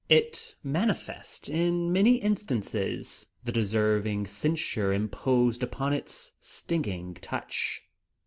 It manifests in many instances the deserving censure imposed upon its stinging touch.